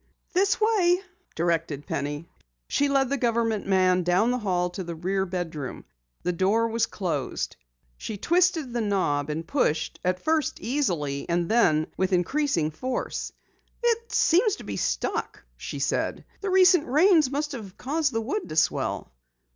"This way," directed Penny. She led the government man down the hall to the rear bedroom. The door was closed. She twisted the knob and pushed, at first easily, and then with increasing force. "It seems to be stuck," she said. "The recent rains must have caused the wood to swell."